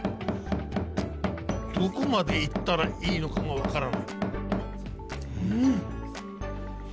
どこまで行ったらいいのかが分からない。